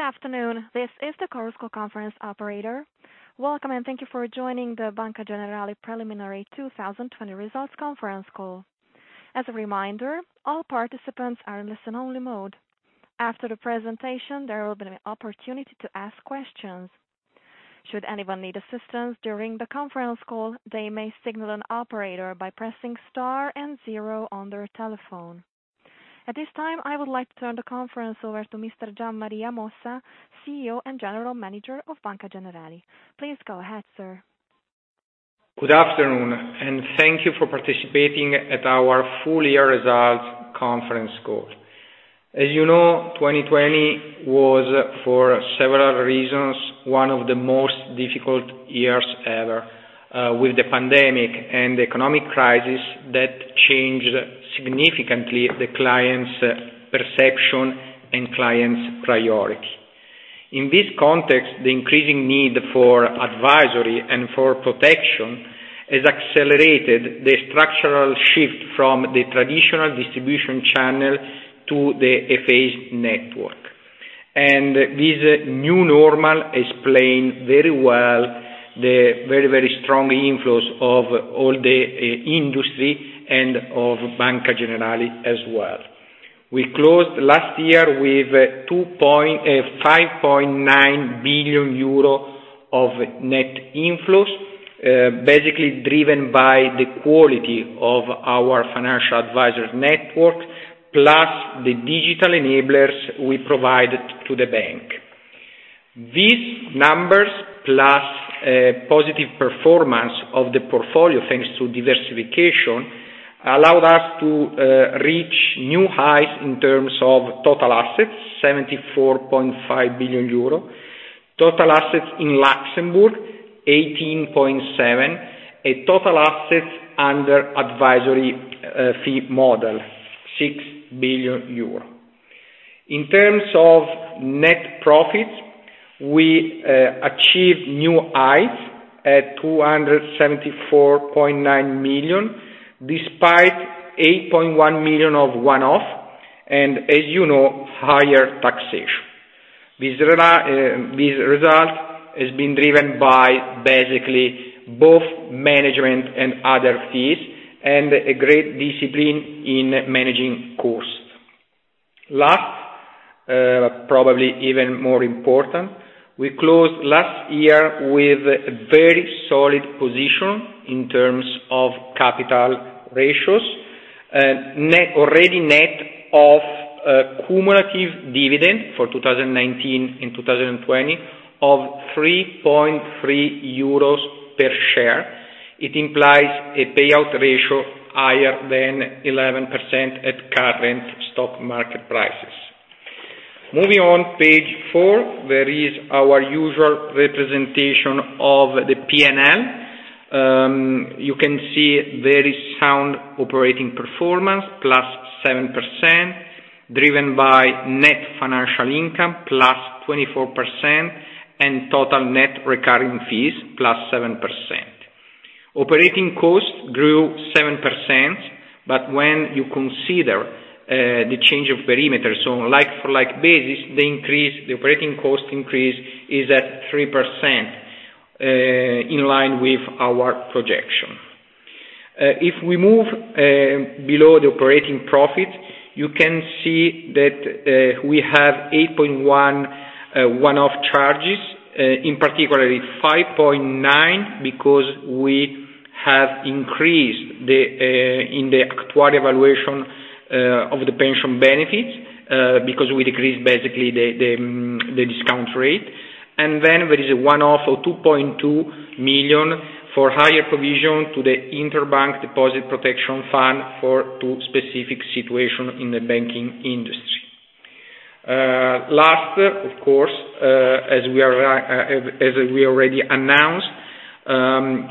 Good afternoon. This is the chorus call conference operator. Welcome, and thank you for joining the Banca Generali Preliminary 2020 Results Conference Call. As a reminder, all participants are in listen-only mode. After the presentation, there will be an opportunity to ask questions. Should anyone need assistance during the conference call, they may signal an operator by pressing star and zero on their telephone. At this time, I would like to turn the conference over to Mr. Gian Maria Mossa, CEO and General Manager of Banca Generali. Please go ahead, sir. Good afternoon, and thank you for participating at our full year results conference call. As you know, 2020 was, for several reasons, one of the most difficult years ever, with the pandemic and the economic crisis that changed significantly the clients' perception and clients' priority. In this context, the increasing need for advisory and for protection has accelerated the structural shift from the traditional distribution channel to the FA network. This new normal explains very well the very, very strong inflows of all the industry and of Banca Generali as well. We closed last year with 5.9 billion euro of net inflows, basically driven by the quality of our financial advisor network, plus the digital enablers we provided to the bank. These numbers, plus positive performance of the portfolio, thanks to diversification, allowed us to reach new heights in terms of total assets, 74.5 billion euro, total assets in Luxembourg, 18.7 billion, a total assets under advisory fee model, 6 billion euro. In terms of net profits, we achieved new heights at 274.9 million, despite 8.1 million of one-off, As you know, higher taxation. This result has been driven by basically both management and other fees and a great discipline in managing costs. Last, probably even more important, we closed last year with a very solid position in terms of capital ratios, already net of cumulative dividend for 2019 and 2020 of 3.3 euros per share. It implies a payout ratio higher than 11% at current stock market prices. Moving on, page four, there is our usual representation of the P&L. You can see very sound operating performance, +7%, driven by net financial income +24% and total net recurring fees +7%. Operating costs grew 7%, when you consider the change of perimeter, so on a like-for-like basis, the operating cost increase is at 3%, in line with our projection. If we move below the operating profit, you can see that we have 8.1 million one-off charges, in particular 5.9 billion because we have increased in the actuarial valuation of the pension benefits because we decreased basically the discount rate. There is a one-off of 2.2 million for higher provision to the Interbank Deposit Protection Fund for two specific situation in the banking industry. Last, of course, as we already announced,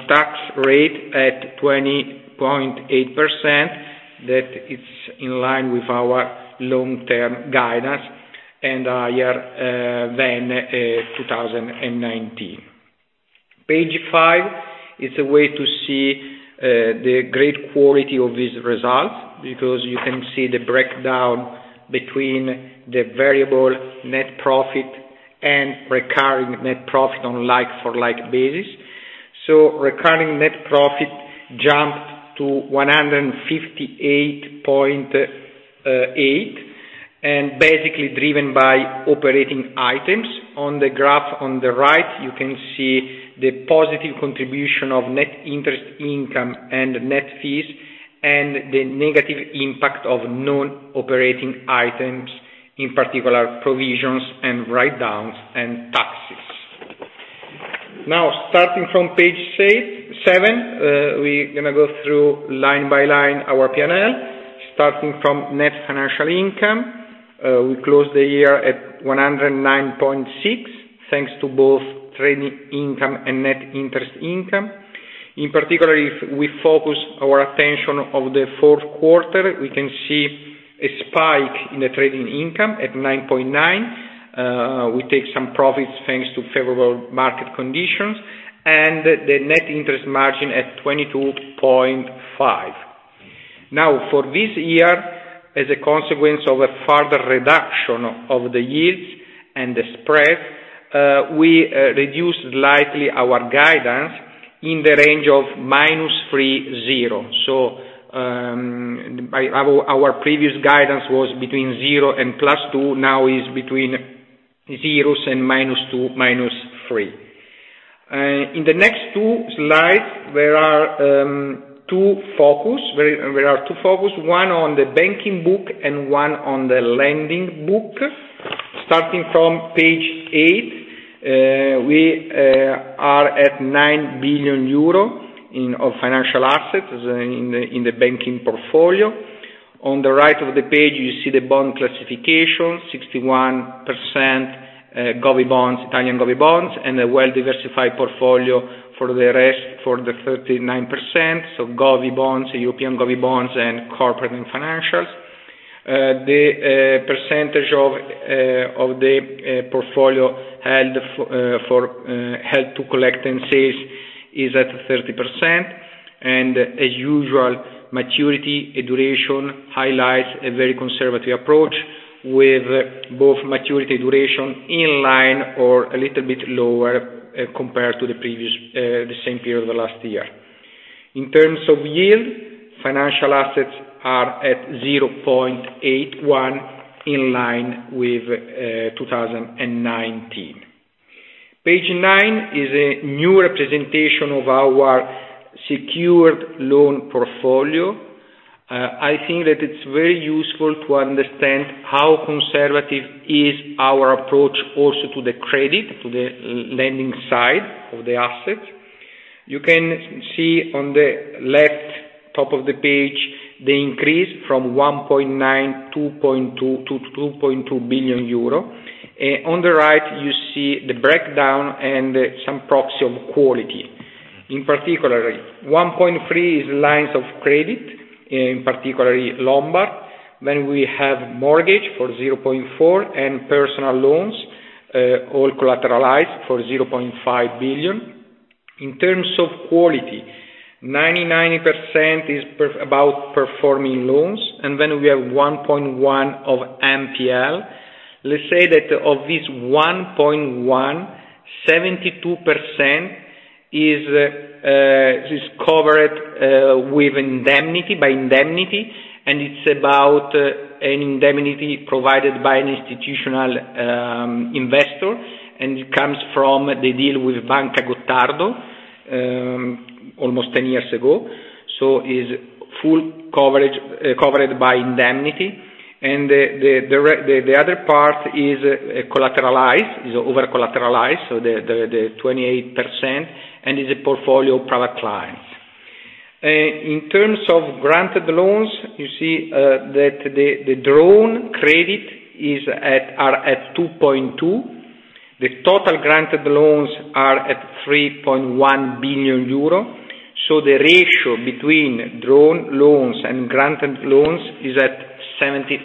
tax rate at 20.8%, that is in line with our long-term guidance and higher than 2019. Page five is a way to see the great quality of these results, because you can see the breakdown between the variable net profit and recurring net profit on like-for-like basis. Recurring net profit jumped to 158.8 million, and basically driven by operating items. On the graph on the right, you can see the positive contribution of net interest income and net fees, and the negative impact of non-operating items, in particular provisions and write-downs and taxes. Now starting from page seven, we're going to go through line by line our P&L. Starting from net financial income, we closed the year at 109.6 million, thanks to both trading income and net interest income. In particular, if we focus our attention of the Q4, we can see a spike in the trading income at 9.9 million. We take some profits thanks to favorable market conditions, and the net interest margin at 22.5%. Now, for this year, as a consequence of a further reduction of the yields and the spread, we reduced slightly our guidance in the range of -3%, 0%. Our previous guidance was between 0% and +2%, now is between 0% and -2% to -3%. In the next two slides, there are two focus. One on the banking book and one on the lending book. Starting from page eight, we are at 9 billion euro of financial assets in the banking portfolio. On the right of the page, you see the bond classification, 61% govi bonds, Italian govi bonds, and a well-diversified portfolio for the rest, for the 39%. So govi bonds, European govi bonds, and corporate and financials. The percentage of the portfolio held to collect and sales is at 30%. As usual, maturity duration highlights a very conservative approach with both maturity duration in line or a little bit lower compared to the same period of the last year. In terms of yield, financial assets are at 0.81%, in line with 2019. Page nine is a new representation of our secured loan portfolio. I think that it's very useful to understand how conservative is our approach also to the credit, to the lending side of the assets. You can see on the left top of the page, the increase from 1.9 billion to 2.2 billion euro. On the right, you see the breakdown and some proxy of quality. In particular, 1.3 billion is lines of credit, in particular Lombard. We have mortgage for 0.4 billion and personal loans, all collateralized for 0.5 billion. In terms of quality, 99% is about performing loans, we have 1.1 billion of NPL. Let's say that of this 1.1 billion, 72% is covered with indemnity, by indemnity, an indemnity provided by an institutional investor, it comes from the deal with Banca del Gottardo almost 10 years ago. Is full covered by indemnity. The other part is over-collateralized, the 28%, is a portfolio private clients. In terms of granted loans, you see that the drawn credit are at 2.2 billion. The total granted loans are at 3.1 billion euro, the ratio between drawn loans and granted loans is at 73%.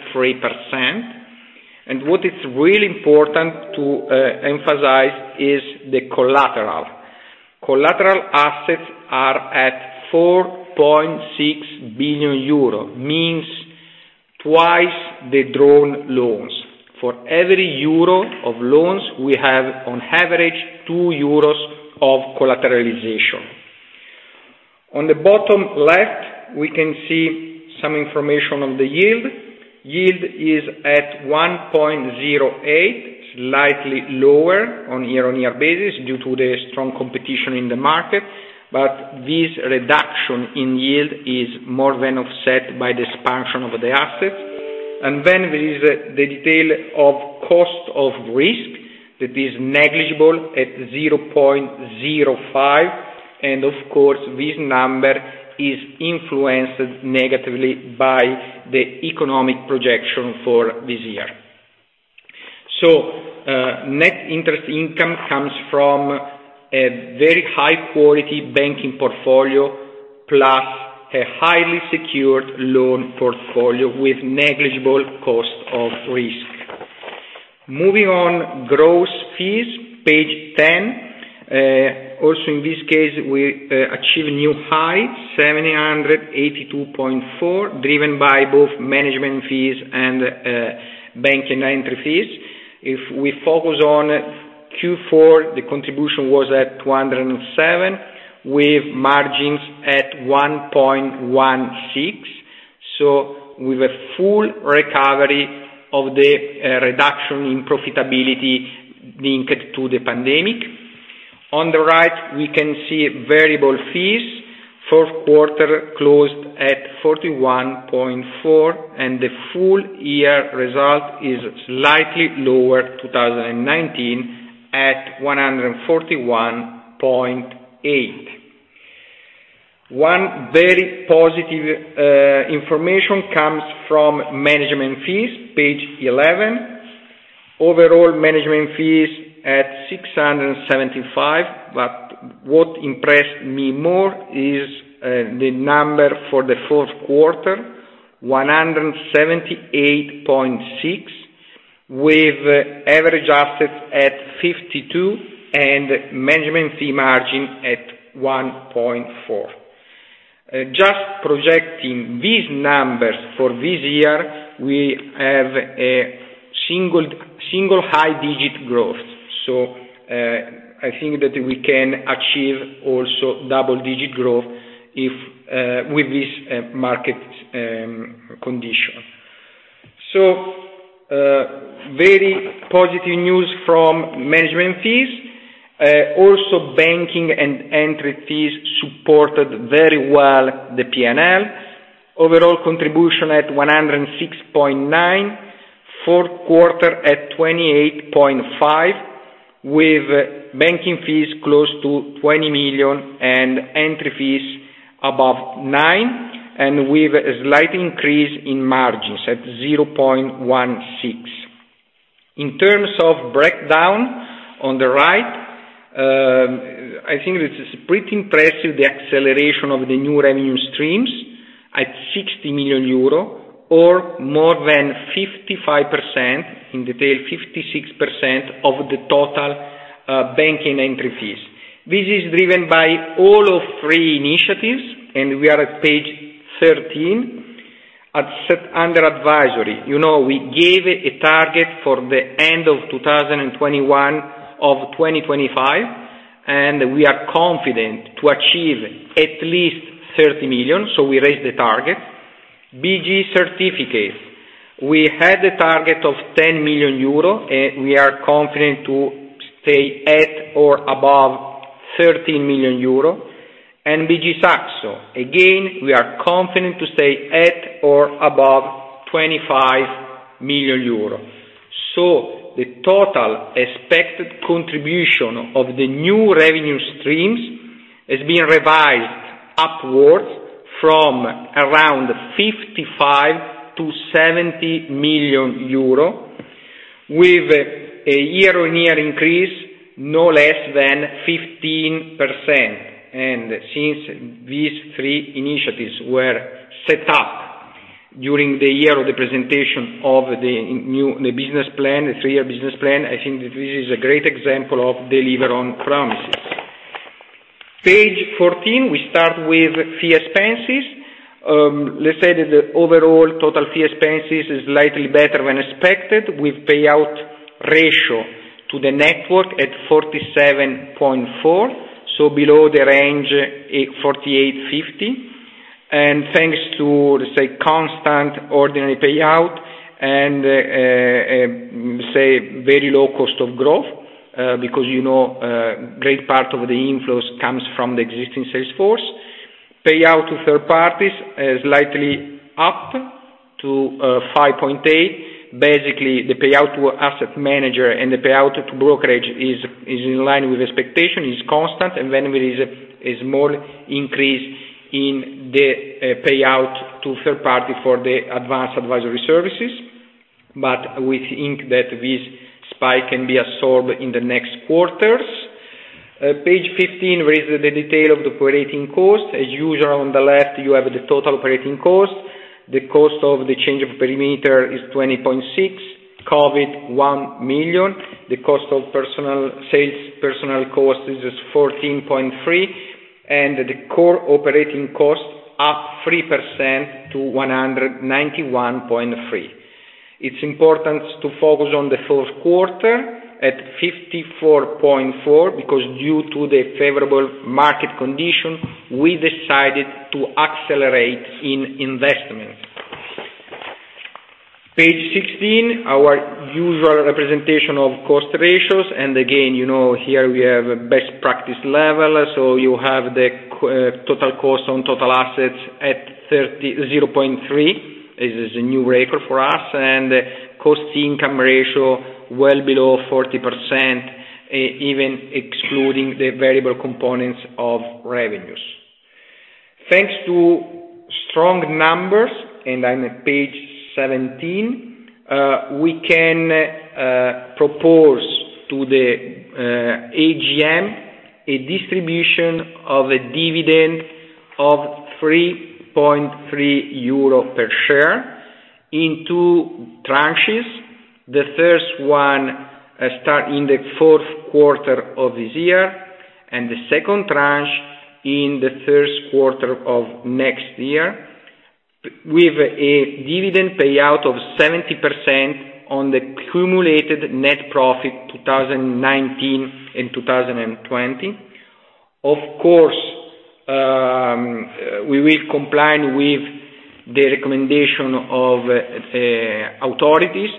What is really important to emphasize is the collateral. Collateral assets are at 4.6 billion euro, means twice the drawn loans. For every euro of loans, we have on average 2 euros of collateralization. On the bottom left, we can see some information on the yield. Yield is at 1.08, slightly lower on year-on-year basis due to the strong competition in the market. This reduction in yield is more than offset by the expansion of the assets. There is the detail of cost of risk that is negligible at 0.05, and of course, this number is influenced negatively by the economic projection for this year. Net interest income comes from a very high-quality banking portfolio plus a highly secured loan portfolio with negligible cost of risk. Moving on, gross fees, page 10. Also, in this case, we achieve a new high, 782.4 million, driven by both management fees and banking entry fees. If we focus on Q4, the contribution was at 207 million with margins at 1.16, so with a full recovery of the reduction in profitability linked to the pandemic. On the right, we can see variable fees. Fourth quarter closed at 41.4 million, and the full year result is slightly lower, 2019, at EUR 141.8 million. One very positive information comes from management fees, page 11. Overall management fees at 675 million, but what impressed me more is the number for the fourth quarter, 178.6 million. With average assets at 52 million, and management fee margin at 1.4%. Just projecting these numbers for this year, we have a single high-digit growth. I think that we can achieve also double-digit growth with this market condition. Very positive news from management fees. Also banking and entry fees supported very well the P&L. Overall contribution at 106.9 million, fourth quarter at 28.5 million, with banking fees close to 20 million and entry fees above nine, and with a slight increase in margins at 0.16%. In terms of breakdown, on the right, I think this is pretty impressive, the acceleration of the new revenue streams at 60 million euro, or more than 55%, in detail, 56% of the total banking entry fees. This is driven by all of three initiatives, and we are at page 13, under advisory. We gave a target for the end of 2021 of 2025, and we are confident to achieve at least 30 million, so we raised the target. BG Certificates, we had a target of 10 million euro, and we are confident to stay at or above 13 million euro. BG Saxo, again, we are confident to stay at or above 25 million euro. The total expected contribution of the new revenue streams has been revised upwards from around 55 million-70 million euro with a year-on-year increase, no less than 15%. Since these three initiatives were set up during the year of the presentation of the three-year business plan, I think that this is a great example of deliver on promises. Page 14, we start with fee expenses. Let's say that the overall total fee expenses is slightly better than expected with payout ratio to the network at 47.4%, so below the range at 48.50%. Thanks to, let's say, constant ordinary payout and, say, very low cost of growth, because you know, a great part of the inflows comes from the existing sales force. Payout to third parties is slightly up to 5.8%. Basically, the payout to asset manager and the payout to brokerage is in line with expectation, is constant, and then there is a small increase in the payout to third party for the advanced advisory services. We think that this spike can be absorbed in the next quarters. Page 15 raises the detail of the operating cost. As usual, on the left, you have the total operating cost. The cost of the change of perimeter is 20.6 million, COVID, 1 million. The cost of sales personnel cost is 14.3 million, and the core operating cost up 3% to 191.3 million. It's important to focus on the fourth quarter at 54.4 million, because due to the favorable market condition, we decided to accelerate in investment. Page 16, our usual representation of cost ratios. Again, here we have a best practice level. You have the total cost on total assets at 0.3%. This is a new record for us. Cost income ratio, well below 40%, even excluding the variable components of revenues. Thanks to strong numbers, I'm at page 17, we can propose to the AGM a distribution of a dividend of 3.30 euro per share in two tranches. The first one start in the fourth quarter of this year, the second tranche in the first quarter of next year. With a dividend payout of 70% on the cumulated net profit 2019 and 2020. Of course, we will comply with the recommendation of authorities,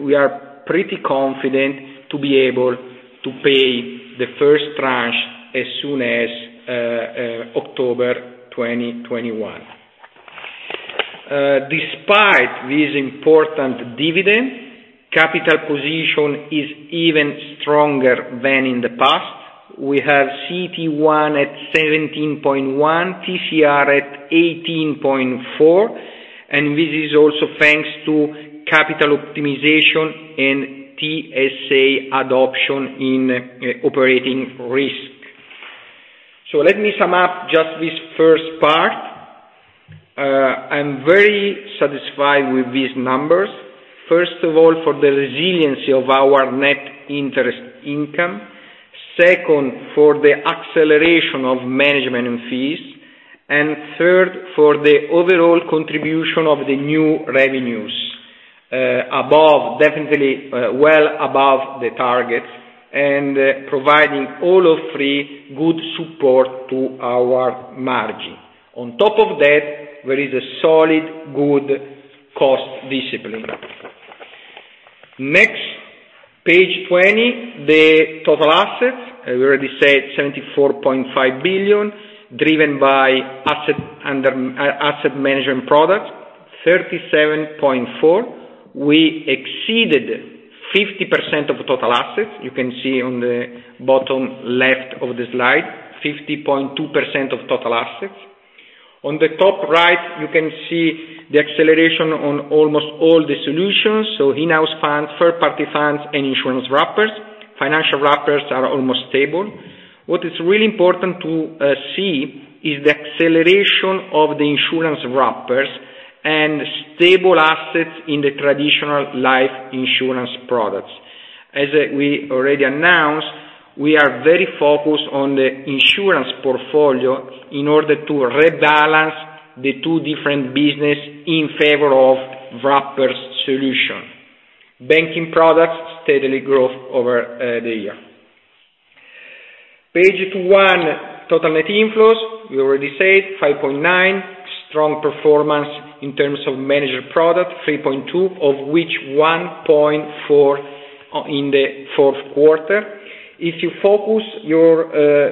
we are pretty confident to be able to pay the first tranche as soon as October 2021. Despite this important dividend, capital position is even stronger than in the past. We have CET1 at 17.1%, TCR at 18.4%, this is also thanks to capital optimization and TSA adoption in operating risk. Let me sum up just this first part. I'm very satisfied with these numbers. First of all, for the resiliency of our net interest income. Second, for the acceleration of management and fees. Third, for the overall contribution of the new revenues, definitely well above the targets, and providing all of three good support to our margin. On top of that, there is a solid, good cost discipline. Next, page 20, the total assets. I already said 74.5 billion, driven by asset management products, 37.4 billion. We exceeded 50% of total assets. You can see on the bottom left of the slide, 50.2% of total assets. On the top right, you can see the acceleration on almost all the solutions. In-house funds, third-party funds, and insurance wrappers. Financial wrappers are almost stable. What is really important to see is the acceleration of the insurance wrappers, and stable assets in the traditional life insurance products. As we already announced, we are very focused on the insurance portfolio in order to rebalance the two different business in favor of wrappers solution. Banking products steadily grow over the year. Page 21, total net inflows, we already said 5.9 billion. Strong performance in terms of managed product, 3.2 billion, of which 1.4 billion in the fourth quarter. If you focus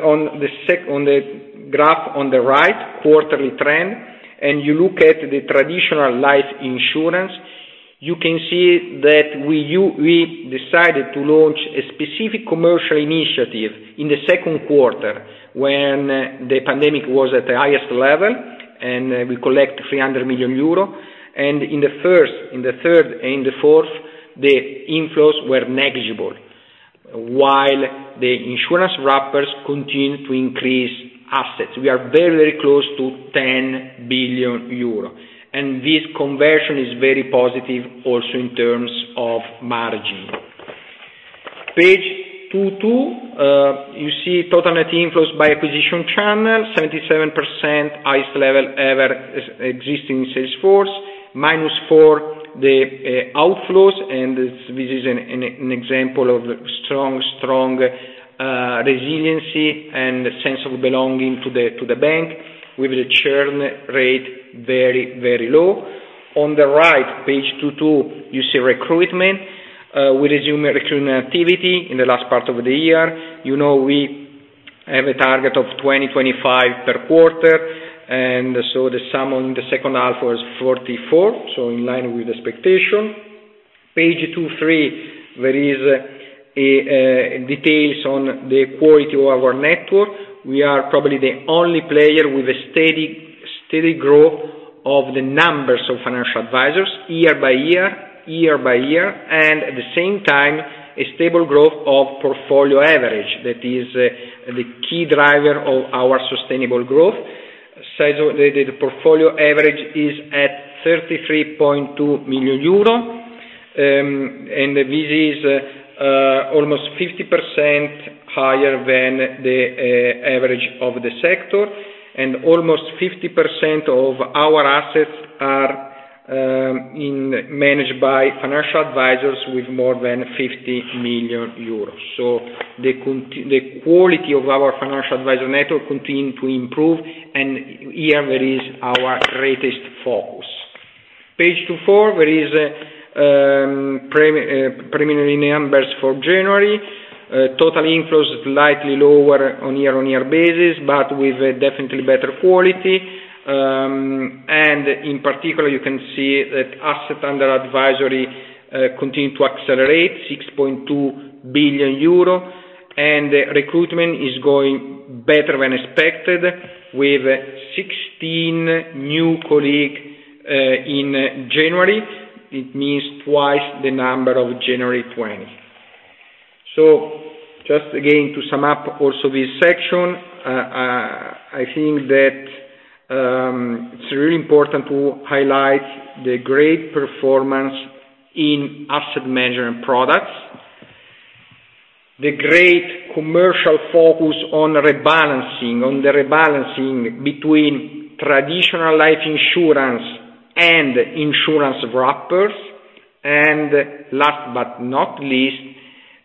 on the graph on the right, quarterly trend, and you look at the traditional life insurance, you can see that we decided to launch a specific commercial initiative in the second quarter, when the pandemic was at the highest level, and we collect 300 million euro. In the first, in the third, and the fourth, the inflows were negligible, while the insurance wrappers continued to increase assets. We are very close to 10 billion euro, and this conversion is very positive also in terms of margin. Page 22, you see total net inflows by acquisition channel, 77%, highest level ever existing sales force, -4%, the outflows. This is an example of strong resiliency and sense of belonging to the bank, with the churn rate very low. On the right, page 22, you see recruitment. We resume recruitment activity in the last part of the year. You know we have a target of 20/25 per quarter, the sum in the second half was 44, in line with expectation. Page 23, there is details on the quality of our network. We are probably the only player with a steady growth of the numbers of financial advisors, year-by-year. At the same time, a stable growth of portfolio average, that is the key driver of our sustainable growth. Size of the portfolio average is at 33.2 million euro. This is almost 50% higher than the average of the sector. Almost 50% of our assets are managed by financial advisors with more than 50 million euros. The quality of our financial advisor network continue to improve. Here there is our greatest focus. Page 24, there is preliminary numbers for January. Total inflows slightly lower on year-on-year basis, with definitely better quality. In particular, you can see that assets under advisory continue to accelerate, 6.2 billion euro. Recruitment is going better than expected, with 16 new colleague in January. It means twice the number of January 2020. Just again, to sum up also this section, I think that it's really important to highlight the great performance in asset management products, the great commercial focus on the rebalancing between traditional life insurance and insurance wrappers. Last but not least,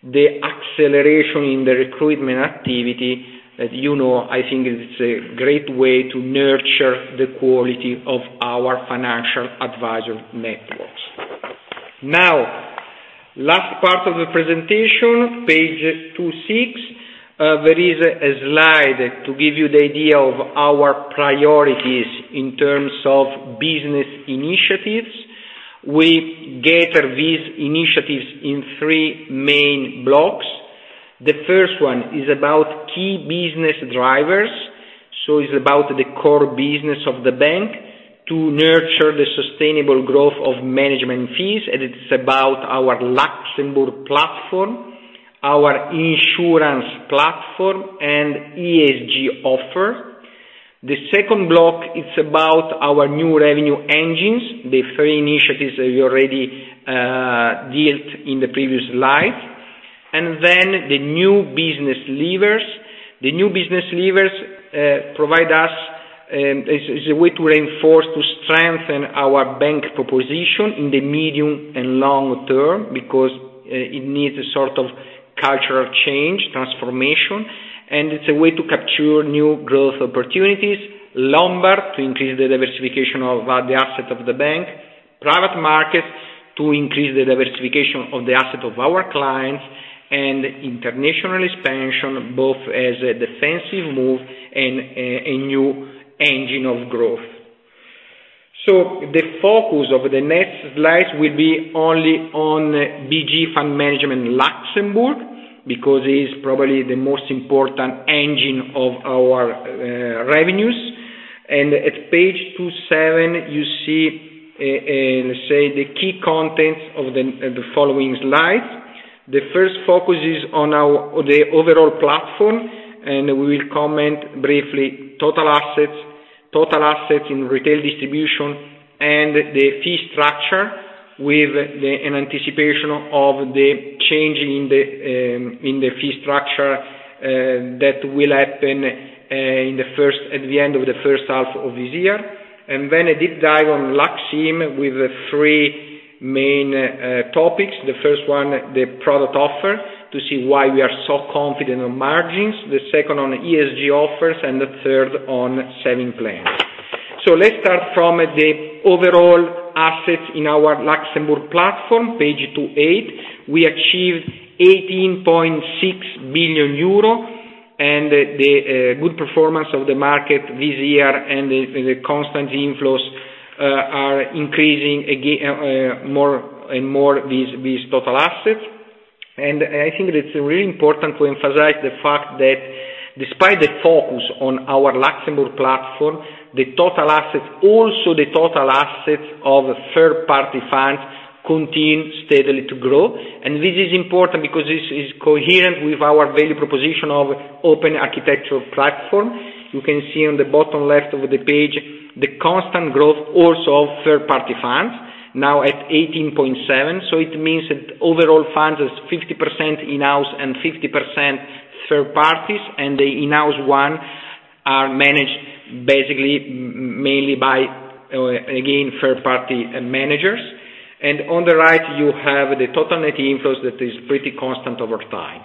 the acceleration in the recruitment activity, that you know, I think it's a great way to nurture the quality of our financial advisor networks. Last part of the presentation, page 26. There is a slide to give you the idea of our priorities in terms of business initiatives. We gather these initiatives in three main blocks. The first one is about key business drivers. It's about the core business of the bank to nurture the sustainable growth of management fees, and it's about our Luxembourg platform, our insurance platform, and ESG offer. The second block, it's about our new revenue engines, the three initiatives that we already dealt in the previous slide. The new business levers. The new business levers provide us as a way to reinforce, to strengthen our bank proposition in the medium and long term, because it needs a sort of cultural change, transformation, and it's a way to capture new growth opportunities. Lombard, to increase the diversification of the asset of the bank. Private markets, to increase the diversification of the asset of our clients. International expansion, both as a defensive move and a new engine of growth. The focus of the next slide will be only on BG Fund Management Luxembourg, because it is probably the most important engine of our revenues. At page 27, you see the key contents of the following slides. The first focus is on the overall platform. We will comment briefly total assets, total assets in retail distribution, and the fee structure with an anticipation of the change in the fee structure that will happen at the end of the first half of this year. Then a deep dive on Lux IM with three main topics. The first one, the product offer, to see why we are so confident on margins. The second on ESG offers, and the third on saving plans. Let's start from the overall assets in our Luxembourg platform, page 28. We achieved 18.6 billion euro, and the good performance of the market this year and the constant inflows are increasing more and more these total assets. I think that it's really important to emphasize the fact that despite the focus on our Luxembourg platform, the total assets, also the total assets of third-party funds, continue steadily to grow. This is important because this is coherent with our value proposition of open architectural platform. You can see on the bottom left of the page, the constant growth also of third-party funds, now at 18.7%. It means that overall funds is 50% in-house and 50% third parties, and the in-house one are managed basically mainly by, again, third party managers. On the right, you have the total net inflows that is pretty constant over time.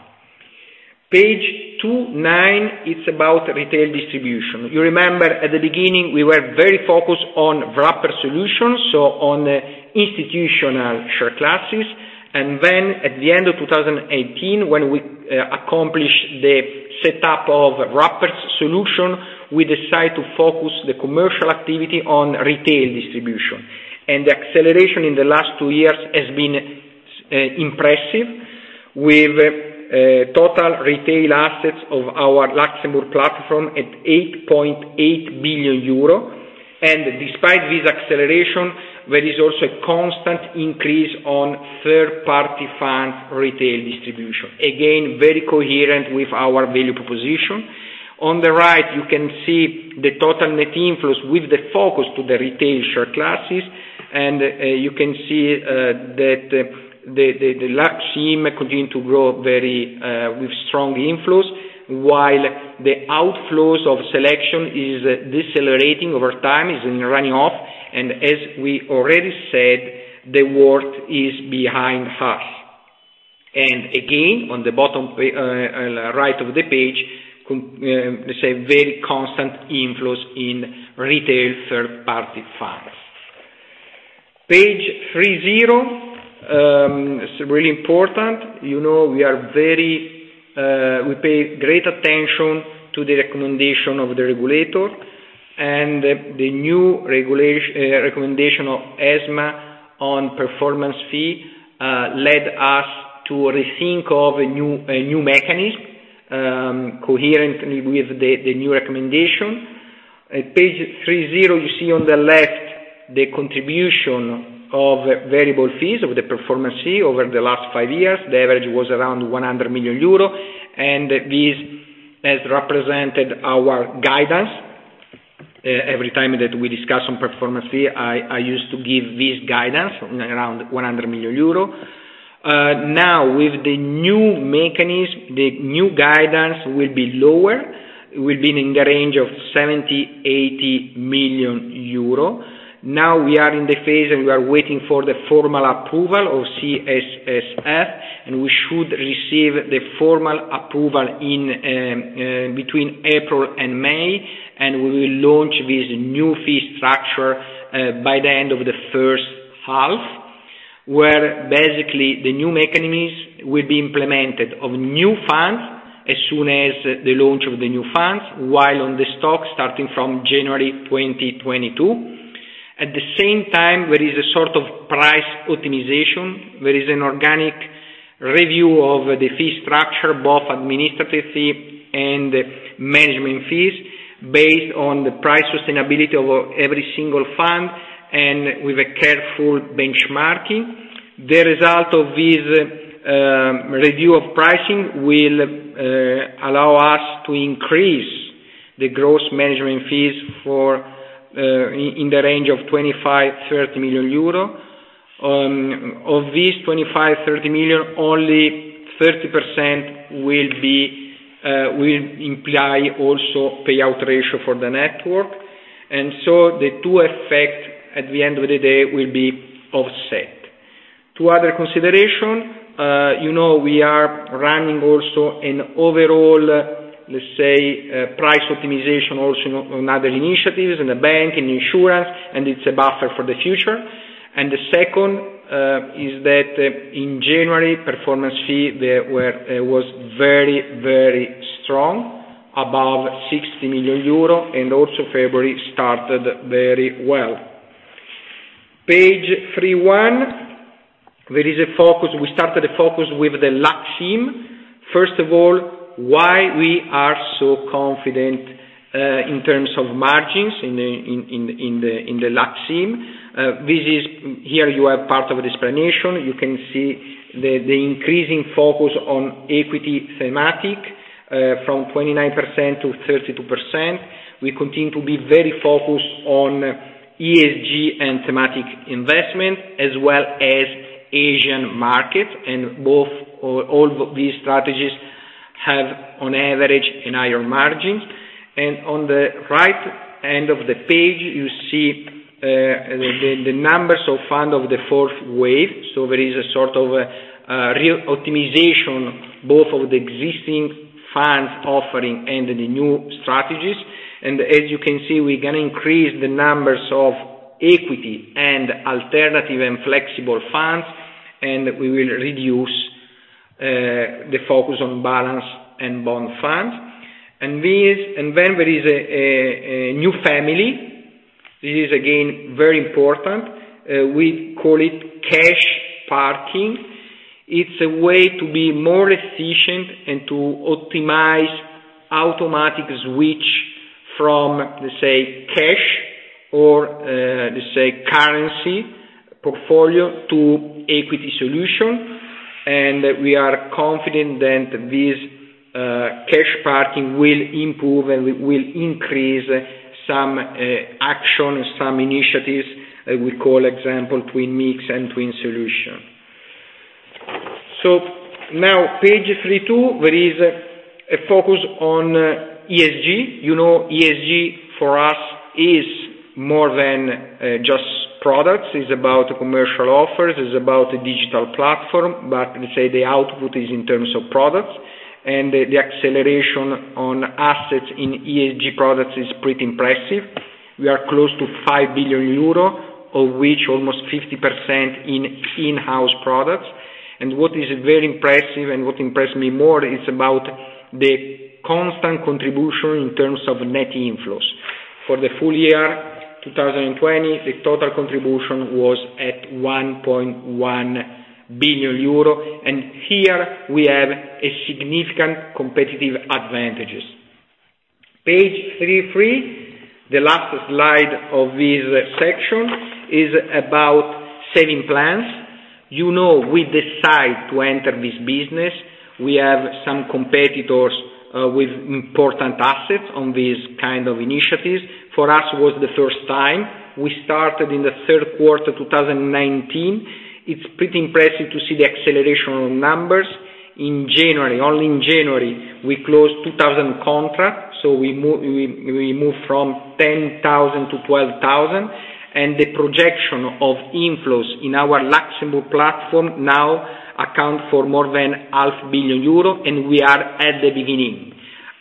Page 29, it's about retail distribution. You remember at the beginning, we were very focused on wrapper solutions, so on institutional share classes. Then at the end of 2018, when we accomplished the setup of wrappers solution, we decide to focus the commercial activity on retail distribution. The acceleration in the last two years has been impressive, with total retail assets of our Luxembourg platform at 8.8 billion euro. Despite this acceleration, there is also a constant increase on third-party fund retail distribution. Again, very coherent with our value proposition. On the right, you can see the total net inflows with the focus to the retail share classes. You can see that the Lux IM continue to grow with strong inflows, while the outflows of Selection is decelerating over time, is running off. As we already said, the worst is behind us. Again, on the bottom right of the page, let's say very constant inflows in retail third-party funds. Page 30. It's really important. We pay great attention to the recommendation of the regulator. The new recommendation of ESMA on performance fee led us to rethink of a new mechanism coherent with the new recommendation. At page 30, you see on the left the contribution of variable fees, of the performance fee over the last five years. The average was around 100 million euro. This has represented our guidance. Every time that we discuss on performance fee, I used to give this guidance around 100 million euro. Now, with the new mechanism, the new guidance will be lower, will be in the range of 70 million-80 million euro. We are in the phase and we are waiting for the formal approval of CSSF, and we should receive the formal approval between April and May, and we will launch this new fee structure by the end of the first half, where basically the new mechanism will be implemented of new funds as soon as the launch of the new funds, while on the stock, starting from January 2022. At the same time, there is a sort of price optimization. There is an organic review of the fee structure, both administrative fee and management fees, based on the price sustainability of every single fund and with a careful benchmarking. The result of this review of pricing will allow us to increase the gross management fees in the range of 25 million-30 million euro. Of this 25 million-30 million, only 30% will imply also payout ratio for the network. The two effect at the end of the day will be offset. Two other consideration. You know we are running also an overall, let's say, price optimization also on other initiatives in the bank and insurance, and it's a buffer for the future. The second is that in January, performance fee, it was very strong, above 60 million euro, and also February started very well. Page 31. We started a focus with the Lux IM. First of all, why we are so confident in terms of margins in the Lux IM. Here you have part of explanation. You can see the increasing focus on equity thematic from 29% to 32%. We continue to be very focused on ESG and thematic investment, as well as Asian market, and all these strategies have on average in higher margins. On the right end of the page, you see the numbers of fund of the fourth wave. There is a sort of a real optimization, both of the existing funds offering and the new strategies. As you can see, we can increase the numbers of equity and alternative and flexible funds, and we will reduce the focus on balance and bond funds. Then there is a new family. This is again, very important. We call it cash parking. It's a way to be more efficient and to optimize automatic switch from, let's say, cash or, let's say, currency portfolio to equity solution. We are confident that this cash parking will improve and will increase some action, some initiatives that we call, example, Twin Mix and Twin Solution. Now page 32, there is a focus on ESG. You know ESG for us is more than just products, is about commercial offers, is about digital platform, but let's say the output is in terms of products. The acceleration on assets in ESG products is pretty impressive. We are close to 5 billion euro, of which almost 50% in in-house products. What is very impressive and what impressed me more is about the constant contribution in terms of net inflows. For the full year 2020, the total contribution was at 1.1 billion euro. Here we have a significant competitive advantages. Page 33, the last slide of this section is about saving plans. You know we decide to enter this business. We have some competitors with important assets on these kind of initiatives. For us, was the first time. We started in the third quarter 2019. It's pretty impressive to see the acceleration on numbers. In January, only in January, we closed 2,000 contracts, so we moved from 10,000 to 12,000, and the projection of inflows in our Luxembourg platform now account for more than 0.5 billion euro, and we are at the beginning.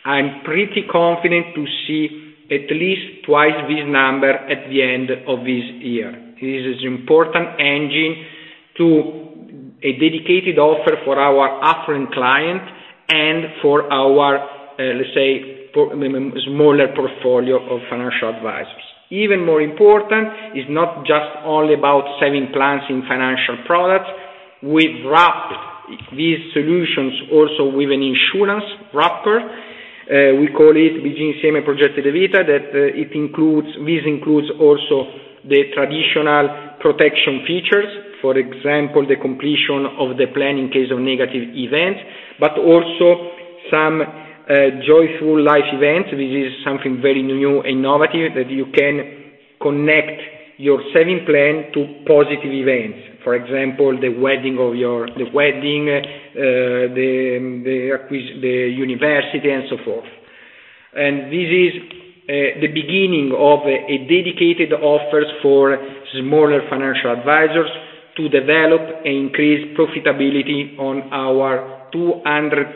I'm pretty confident to see at least twice this number at the end of this year. This is important engine to a dedicated offer for our affluent client and for our, let's say, smaller portfolio of financial advisors. Even more important, it's not just only about saving plans in financial products. We've wrapped these solutions also with an insurance wrapper. We call it that this includes also the traditional protection features. For example, the completion of the plan in case of negative events, but also some joyful life events. This is something very new, innovative, that you can connect your saving plan to positive events. For example, the wedding, the university, and so forth. This is the beginning of a dedicated offers for smaller financial advisors to develop and increase profitability on our 200,000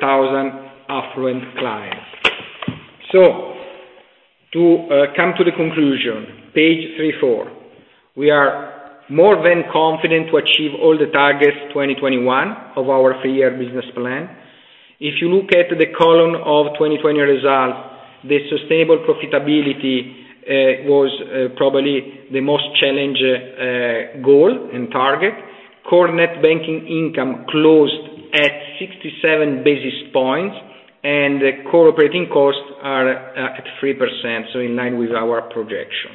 affluent clients. To come to the conclusion, page 34. We are more than confident to achieve all the targets 2021 of our three-year business plan. If you look at the column of 2020 results, the sustainable profitability was probably the most challenging goal and target. Core net banking income closed at 67 basis points, and core operating costs are at 3%, so in line with our projection.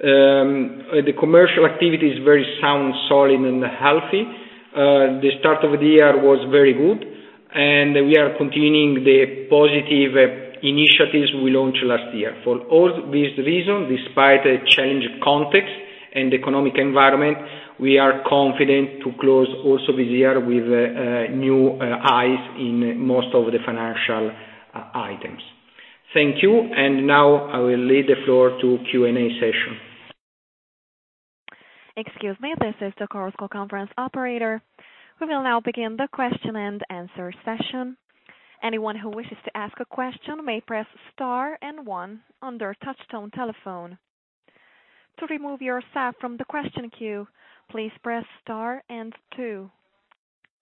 The commercial activity is very sound, solid, and healthy. The start of the year was very good, and we are continuing the positive initiatives we launched last year. For all these reasons, despite a change of context and economic environment, we are confident to close also this year with new highs in most of the financial items. Thank you. Now I will leave the floor to Q&A session. Excuse me, this is the conference call conference operator. We will now begin the question and answer session. Anyone who wishes to ask a question may press star and one on their touch-tone telephone. To remove yourself from the question queue, please press star and two.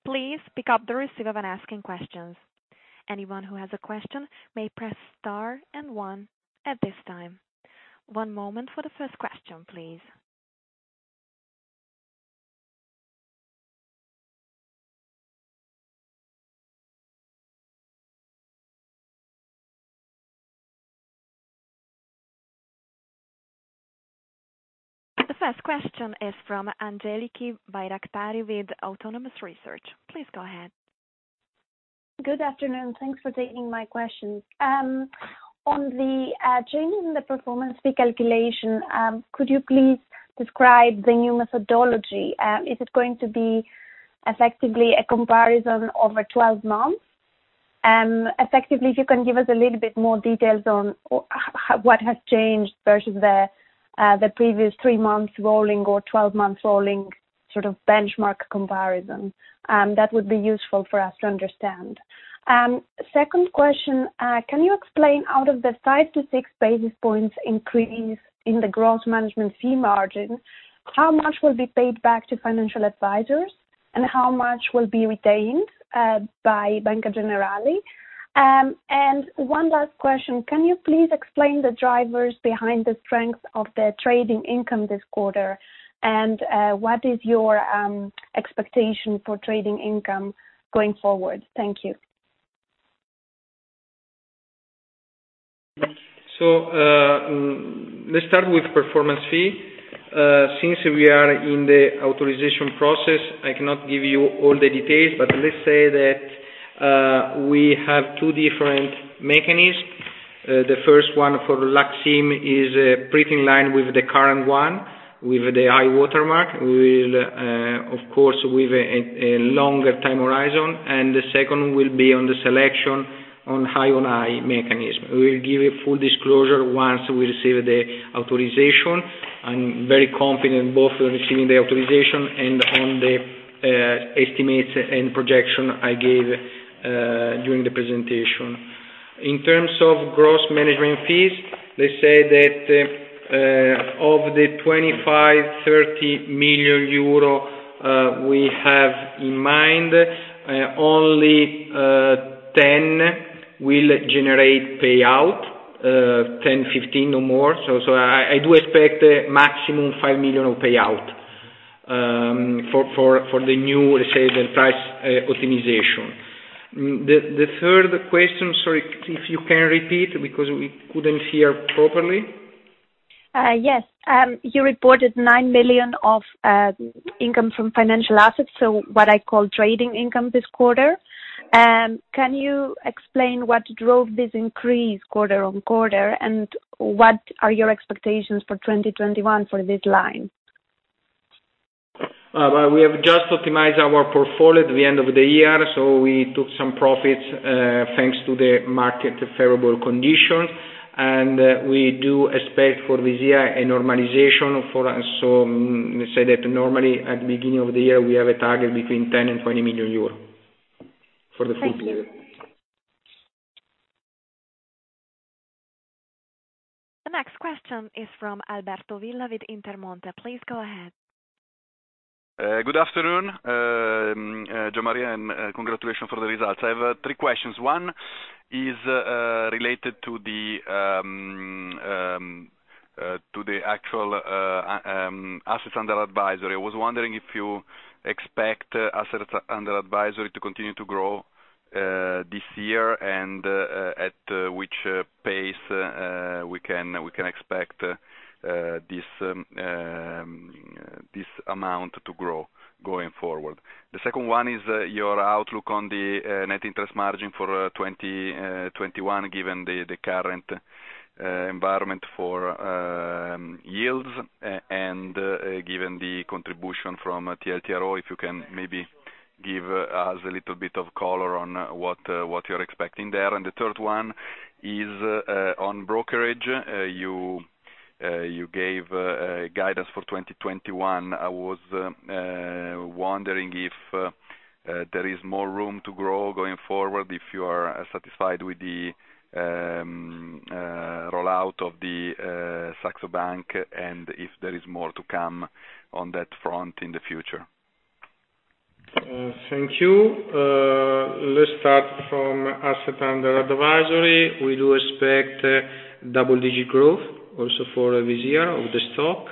Please pick up the receiver when asking questions. Anyone who has a question may press star and one at this time. One moment for the first question, please. The first question is from Angeliki Bairaktari with Autonomous Research. Please go ahead. Good afternoon. Thanks for taking my questions. On the change in the performance fee calculation, could you please describe the new methodology? Is it going to be effectively a comparison over 12 months? Effectively, if you can give us a little bit more details on what has changed versus the previous three months rolling or 12 months rolling sort of benchmark comparison. That would be useful for us to understand. Second question. Can you explain, out of the 5-6 basis points increase in the gross management fee margin, how much will be paid back to financial advisors, and how much will be retained by Banca Generali? One last question. Can you please explain the drivers behind the strength of the trading income this quarter, and what is your expectation for trading income going forward? Thank you. Let's start with performance fee. Since we are in the authorization process, I cannot give you all the details, but let's say that we have two different mechanisms. The first one for Lux IM is pretty in line with the current one, with the high-water mark. We'll, of course, with a longer time horizon, and the second will be on the selection on high mechanism. We'll give you full disclosure once we receive the authorization. I'm very confident both on receiving the authorization and on the estimates and projection I gave during the presentation. In terms of gross management fees, let's say that of the 25 million euro, 30 million euro we have in mind, only 10 million will generate payout, 10 million, 15 million or more. I do expect maximum 5 million of payout for the new, let's say, the price optimization. The third question, sorry if you can repeat because we couldn't hear properly. Yes. You reported 9 million of income from financial assets, so what I call trading income this quarter. Can you explain what drove this increase quarter-over-quarter, and what are your expectations for 2021 for this line? We have just optimized our portfolio at the end of the year, so we took some profits, thanks to the market favorable condition. We do expect for this year a normalization for us. Let's say that normally at the beginning of the year, we have a target between 10 million and 20 million euros for the full year. Thank you. The next question is from Alberto Villa with Intermonte. Please go ahead. Good afternoon, Gian Maria, and congratulations for the results. I have three questions. One is related to the actual assets under advisory. I was wondering if you expect assets under advisory to continue to grow this year, and at which pace we can expect this amount to grow going forward. The second one is your outlook on the net interest margin for 2021, given the current environment for yields and given the contribution from TLTRO. If you can maybe give us a little bit of color on what you're expecting there. The third one is on brokerage. You gave guidance for 2021. I was wondering if there is more room to grow going forward, if you are satisfied with the rollout of the Saxo Bank, and if there is more to come on that front in the future. Thank you. Let's start from asset under advisory. We do expect double-digit growth also for this year of the stock.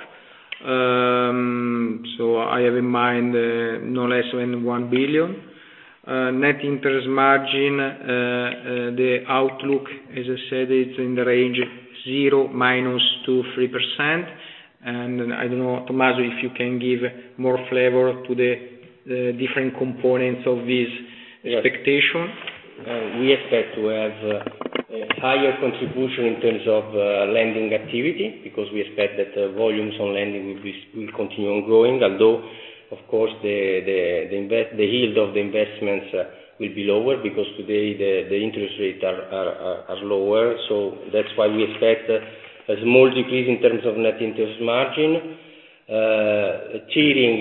I have in mind no less than 1 billion. Net interest margin, the outlook, as I said, it's in the range of 0%, -2%, -3%. I don't know, Tommaso, if you can give more flavor to the different components of this expectation. We expect to have a higher contribution in terms of lending activity because we expect that volumes on lending will continue on growing. Of course, the yield of the investments will be lower because today the interest rates are lower. That's why we expect a small decrease in terms of net interest margin. Tiering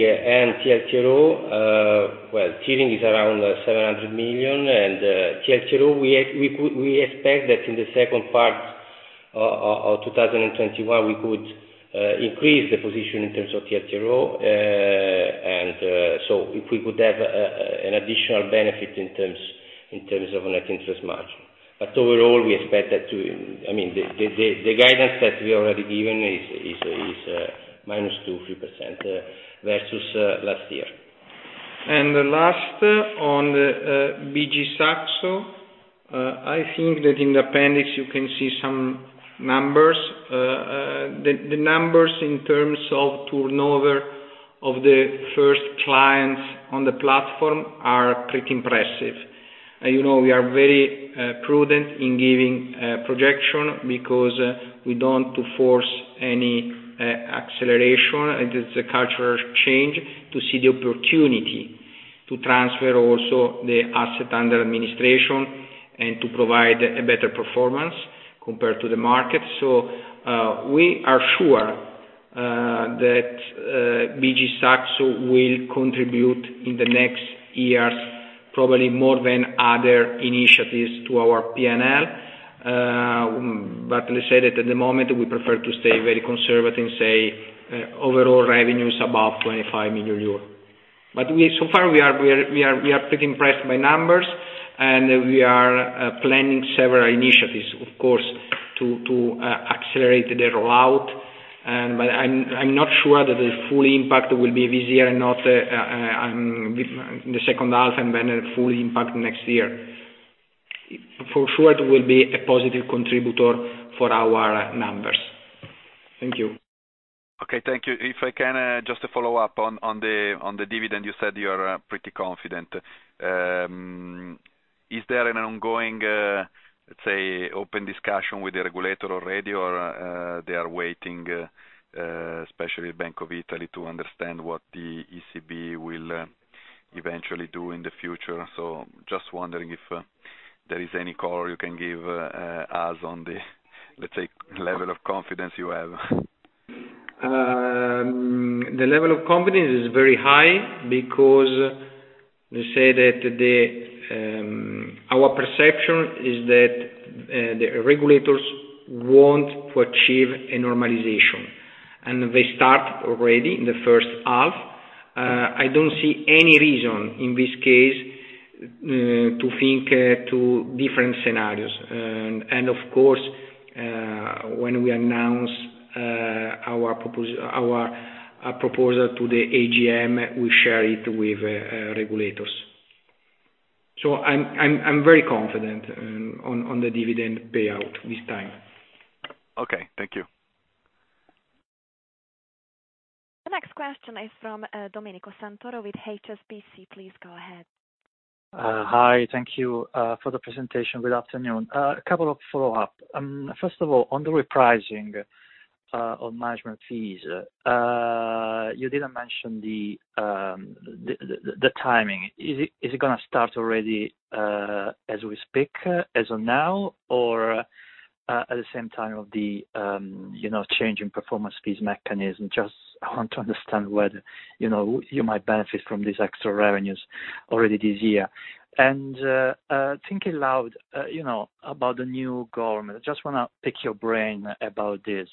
TLTRO. Well, tiering is around 700 million, and TLTRO, we expect that in the second part of 2021, we could increase the position in terms of TLTRO. If we could have an additional benefit in terms of net interest margin. Overall, the guidance that we already given is -2%, -3% versus last year. Last on the BG Saxo, I think that in the appendix you can see some numbers. The numbers in terms of turnover of the first clients on the platform are pretty impressive. We are very prudent in giving projection because we don't force any acceleration. It is a cultural change to see the opportunity to transfer also the asset under administration and to provide a better performance compared to the market. We are sure that BG Saxo will contribute in the next years, probably more than other initiatives to our P&L. Let's say that at the moment, we prefer to stay very conservative and say overall revenue is above 25 million euros. So far we are pretty impressed by numbers, and we are planning several initiatives, of course, to accelerate the rollout. I'm not sure that the full impact will be this year and not the second half, and then a full impact next year. For sure, it will be a positive contributor for our numbers. Thank you. Okay, thank you. If I can just follow up on the dividend, you said you are pretty confident. Is there an ongoing, let's say, open discussion with the regulator already, or they are waiting, especially Bank of Italy, to understand what the ECB will eventually do in the future? Just wondering if there is any color you can give us on the, let's say, level of confidence you have? The level of confidence is very high because our perception is that the regulators want to achieve a normalization. They start already in the first half. I don't see any reason in this case to think two different scenarios. Of course, when we announce our proposal to the AGM, we share it with regulators. I'm very confident on the dividend payout this time. Okay. Thank you. The next question is from Domenico Santoro with HSBC. Please go ahead. Hi. Thank you for the presentation. Good afternoon. A couple of follow-up. First of all, on the repricing of management fees, you didn't mention the timing. Is it going to start already as we speak, as of now, or at the same time of the change in performance fees mechanism? Just I want to understand whether you might benefit from these extra revenues already this year. Thinking aloud about the new government, I just want to pick your brain about this.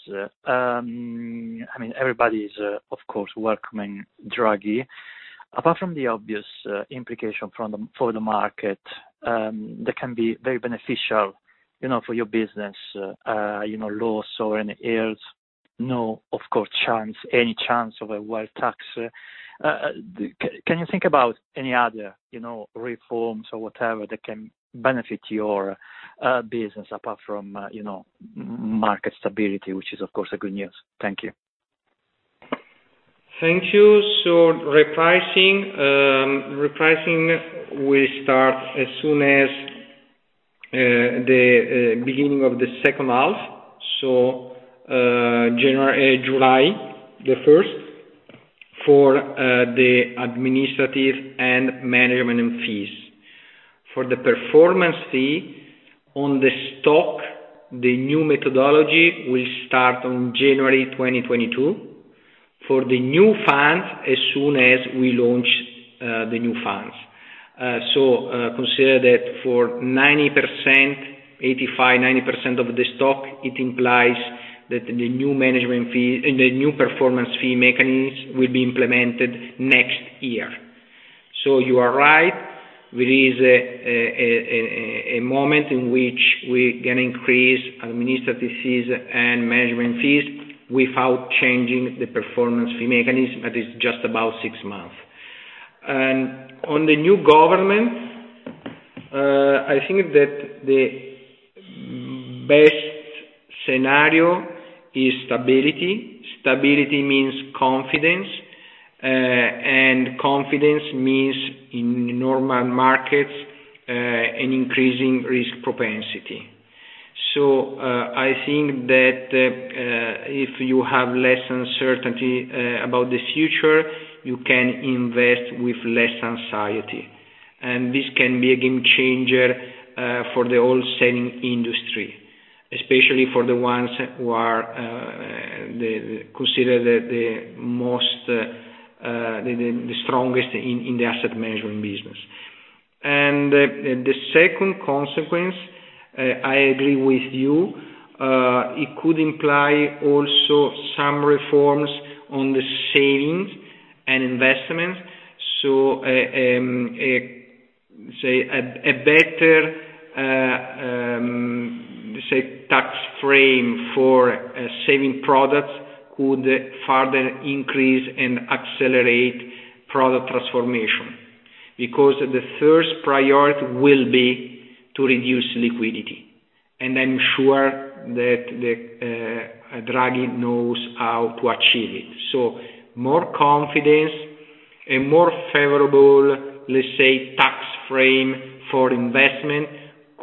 Everybody is, of course, welcoming Draghi. Apart from the obvious implication for the market, that can be very beneficial for your business, loss or any heirs, no, of course, any chance of a wealth tax. Can you think about any other reforms or whatever that can benefit your business apart from market stability, which is, of course, a good news? Thank you. Thank you. Repricing will start as soon as the beginning of the second half, July 1st for the administrative and management fees. For the performance fee on the stock, the new methodology will start on January 2022. For the new funds, as soon as we launch the new fund. Consider that for 85%-90% of the stock, it implies that the new performance fee mechanism will be implemented next year. You are right. There is a moment in which we can increase administrative fees and management fees without changing the performance fee mechanism. That is just about six months. On the new government, I think that the best scenario is stability. Stability means confidence, and confidence means, in normal markets, an increasing risk propensity. I think that if you have less uncertainty about the future, you can invest with less anxiety. This can be a game changer for the whole saving industry, especially for the ones who are considered the strongest in the asset management business. The second consequence, I agree with you, it could imply also some reforms on the savings and investments. Say, a better tax frame for saving products could further increase and accelerate product transformation. The first priority will be to reduce liquidity. I'm sure that Draghi knows how to achieve it. More confidence and more favorable, let's say, tax frame for investment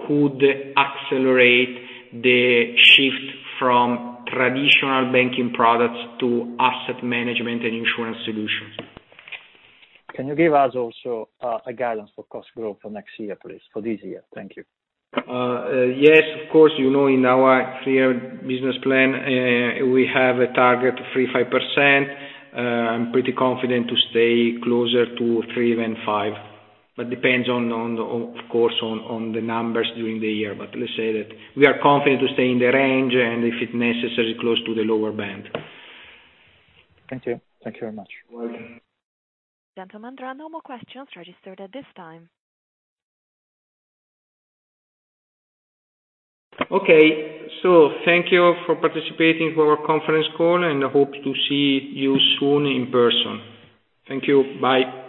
could accelerate the shift from traditional banking products to asset management and insurance solutions. Can you give us also a guidance for cost growth for this year, please? Thank you. Yes, of course. In our three-year business plan, we have a target of 3%, 5%. I'm pretty confident to stay closer to 3% than 5%. Depends, of course, on the numbers during the year. Let's say that we are confident to stay in the range, and if it's necessary, close to the lower band. Thank you. Thank you very much. Gentlemen, there are no more questions registered at this time. Okay. Thank you for participating for our conference call, and I hope to see you soon in person. Thank you. Bye.